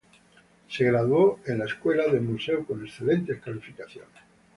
Se graduó en la Escuela del Museo con excelentes calificaciones.